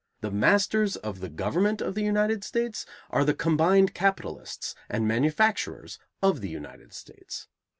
The masters of the government of the United States are the combined capitalists and manufacturers of the United States.